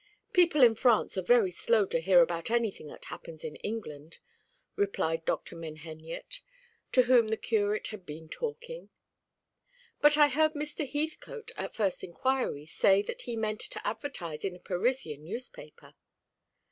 "People in France are very slow to hear about anything that happens in England," replied Dr. Menheniot, to whom the curate had been talking. "But I heard Mr. Heathcote, at the first inquiry, say that he meant to advertise in a Parisian newspaper."